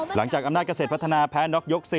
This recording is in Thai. หลังจากอำนาจเกษตรพัฒนาแพ้น็อกยก๔